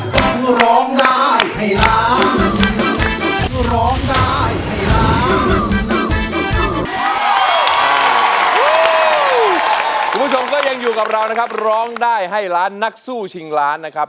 คุณผู้ชมก็ยังอยู่กับเรานะครับร้องได้ให้ล้านนักสู้ชิงล้านนะครับ